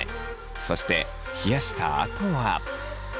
そして冷やしたあとは。